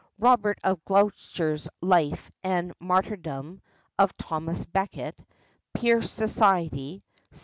(Robert of Gloucester's Life and Martyrdom of Thomas Becket, Percy Society.